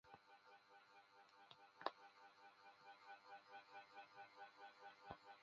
一说他就是宋朝方面史料记载的耶律郑哥。